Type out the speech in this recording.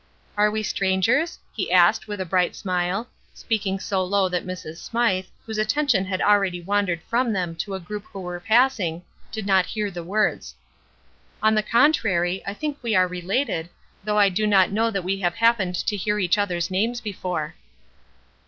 "Are we strangers?" he asked, with a bright smile, speaking so low that Mrs. Smythe, whose attention had already wandered from them to a group who were passing, did not hear the words, "On the contrary, I think we are related, though I do not know that we have happened to hear each other's names before."